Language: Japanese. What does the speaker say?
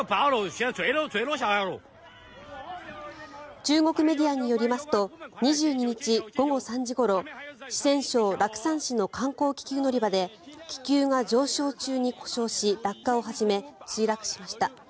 中国メディアによりますと２２日午後３時ごろ四川省楽山市の観光気球乗り場で気球が上昇中に故障し落下を始め、墜落しました。